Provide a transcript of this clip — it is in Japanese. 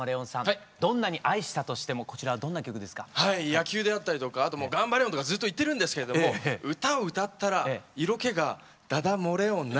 野球であったりとかあともう「がんばレオン」とかずっと言ってるんですけれども歌を歌ったら色気がダダ漏レオンな。